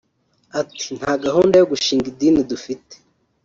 Ati “Nta gahunda yo gushing idini dufite